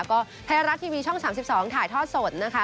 ก็ไทยรัฐทีวีช่อง๓๒ถ่ายทอดสดนะคะ